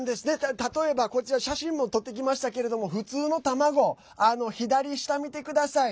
例えば、こちら写真も撮ってきましたけれども普通の卵、左下見てください。